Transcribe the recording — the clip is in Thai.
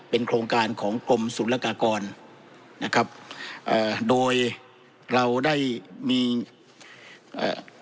เป็นโครงการของกรมสุรกากรนะครับเอ่อโดยเราได้มีเอ่อ